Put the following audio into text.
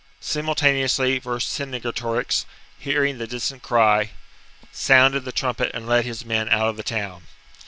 Simultaneously Vercinge torix, hearing the distant cry, sounded the trumpet and led his men out of the town.